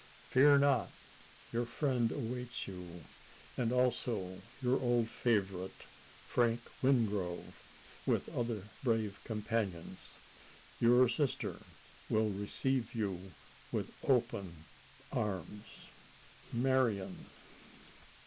Fear not! your friend awaits you as also your old favourite, Frank Wingrove, with other brave companions. Your sister will receive you with open arms." "Marian."